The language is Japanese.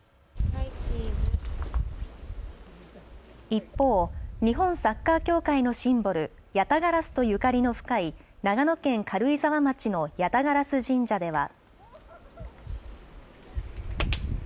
一方、日本サッカー協会のシンボル、やたがらすとゆかりの深い長野県軽井沢町の八咫烏神社では。